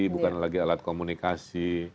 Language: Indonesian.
bukan lagi alat komunikasi